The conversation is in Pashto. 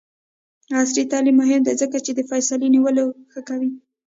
عصري تعلیم مهم دی ځکه چې د فیصلې نیولو ښه کوي.